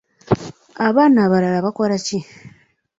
Abaana abalala bakolaki?